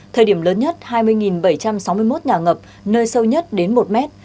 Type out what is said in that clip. thời điểm lớn nhất hai mươi bảy trăm sáu mươi một nhà ngập nơi sâu nhất đến một mét